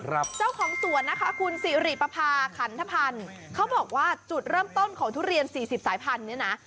เจ้าของสวนนะคะคุณสิริปภาขันทพันธ์เขาบอกว่าจุดเริ่มต้นของทุเรียนสี่สิบสายพันธุเนี่ยนะ